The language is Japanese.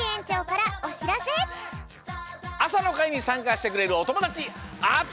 あさのかいにさんかしてくれるおともだちあつまれ！